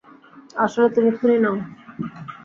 আসলে, তুমি খুনী নও।